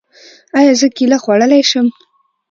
ایا زه کیله خوړلی شم؟